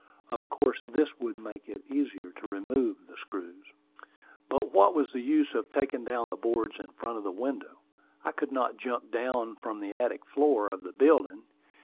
Of course this would make it easier to remove the screws. But what was the use of taking down the boards in front of the window? I could not jump down from the attic floor of the building.